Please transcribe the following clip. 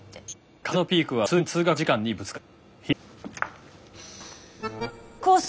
風のピークは通勤通学時間にぶつかる。